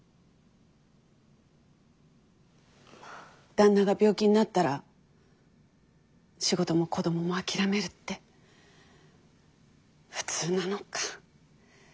旦那が病気になったら仕事も子どもも諦めるって普通なのか。